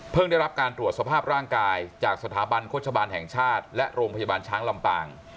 ได้รับการตรวจสภาพร่างกายจากสถาบันโฆษบาลแห่งชาติและโรงพยาบาลช้างลำปาง